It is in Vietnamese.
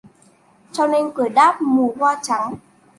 Cho nên cười đáp:'Mùa hoa trắng